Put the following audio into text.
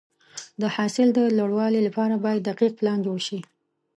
د حاصل د لوړوالي لپاره باید دقیق پلان جوړ شي.